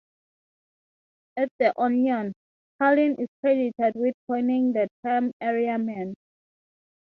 At "The Onion" Karlin is credited with coining the term "Area Man".